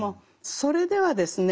それではですね